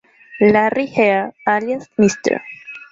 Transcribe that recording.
Larry Heard, alias "Mr.